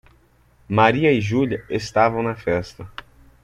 Maria e Júlia estavam na festa.